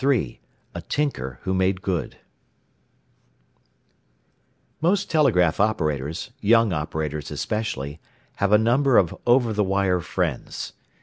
III A TINKER WHO MADE GOOD Most telegraph operators, young operators especially, have a number of over the wire friends.